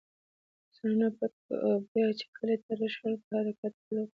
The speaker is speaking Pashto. ځانونه پټ کړو او بیا چې کله تېاره شول، په حرکت به پیل وکړو.